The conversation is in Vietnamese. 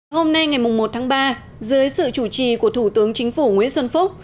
hôm nay ngày một tháng ba dưới sự chủ trì của thủ tướng chính phủ nguyễn xuân phúc